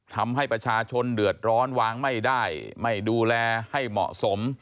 ทำให้ประชาชนเดือดร้อนวางไม่ได้ไม่ดูแลให้เหมาะสม